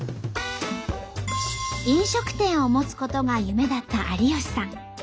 飲食店を持つことが夢だった有吉さん。